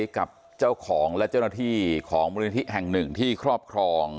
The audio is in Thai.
กับเจ้าของและเจ้าหน้าที่ของมูลนิธิแห่งหนึ่งที่ครอบครอง